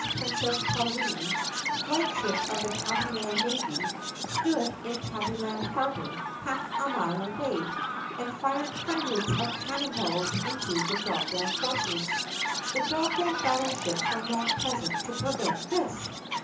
Prin cess Pauline, flag ship of the Tabbyland navy, stood in Tabby land Harbor a half mile away and fired hundreds of cannon balls into the Dogland forces. The Dogland battle ships were not present to prevent this.